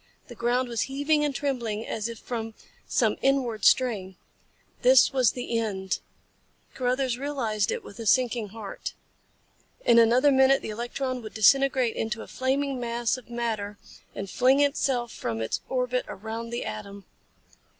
The ground was heaving and trembling as if from some inward strain. This was the end. Carruthers realized it with a sinking heart. In another minute the electron would disintegrate into a flaming mass of matter and fling itself from its orbit around the atom.